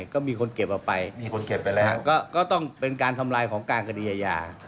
ก็มีคนเก็บออกไปมีคนเก็บไปแล้วก็ต้องเป็นการทำลายของการคดีอาญา